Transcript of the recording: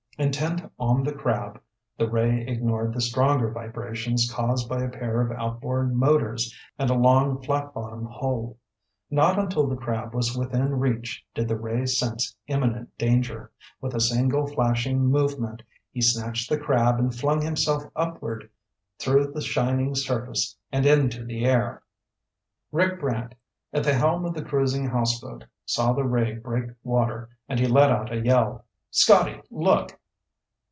Intent on the crab, the ray ignored the stronger vibrations caused by a pair of outboard motors and a long, flat bottomed hull. Not until the crab was within reach did the ray sense imminent danger. With a single flashing movement, he snatched the crab and flung himself upward through the shining surface and into the air. Rick Brant, at the helm of the cruising houseboat, saw the ray break water and he let out a yell. "Scotty! Look!"